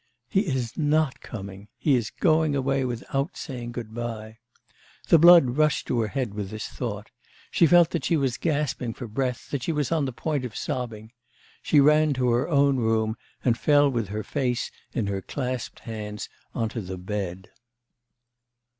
'He is not coming; he is going away without saying good bye.'... The blood rushed to her head with this thought. She felt that she was gasping for breath, that she was on the point of sobbing.... She ran to her own room, and fell with her face in her clasped hands on to the bed.